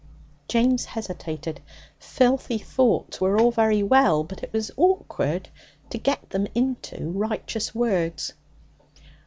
James hesitated. Filthy thoughts were all very well, but it was awkward to get them into righteous words.